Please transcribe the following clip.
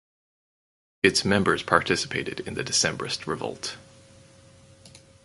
Its members participated in the Decembrist revolt.